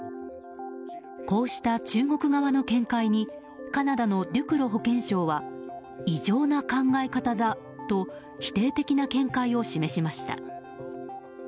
こうした中国側の見解にカナダのデュクロ保健相は異常な考え方だと否定的な見解を示しました。